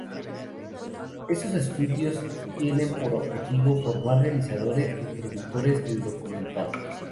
Estos estudios tienen por objetivo formar realizadores y productores del documental.